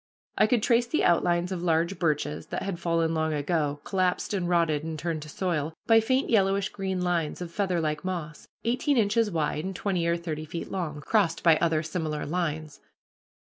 I could trace the outlines of large birches that had fallen long ago, collapsed and rotted and turned to soil, by faint yellowish green lines of featherlike moss, eighteen inches wide and twenty or thirty feet long, crossed by other similar lines.